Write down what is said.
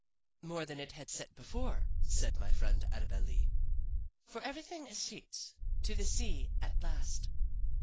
"More than it had set before," said my friend Annabel Lee. "For everything escheats to the sea at last.